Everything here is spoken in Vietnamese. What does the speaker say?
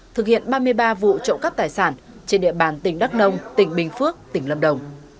thực hiện ba mươi ba vụ trộm cắp tài sản trên địa bàn tỉnh đắk nông tỉnh bình phước tỉnh lâm đồng